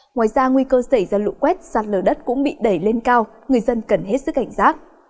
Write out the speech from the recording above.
ngoài ra nguy cơ xảy ra lụ quét sạt lở đất cũng bị đẩy lên cao người dân cần hết sức cảnh giác